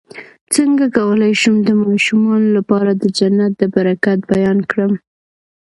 څنګه کولی شم د ماشومانو لپاره د جنت د برکت بیان کړم